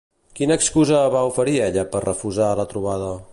Quina excusa va oferir ella per refusar la trobada?